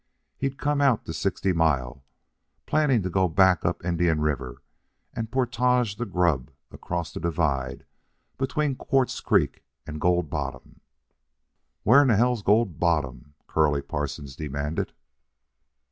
He'd come out to Sixty Mile, planning to go back up Indian River and portage the grub across the divide between Quartz Creek and Gold Bottom " "Where in hell's Gold Bottom?" Curly Parsons demanded.